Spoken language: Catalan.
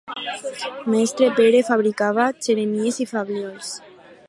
Mestre Pere fabricava xeremies i flabiols.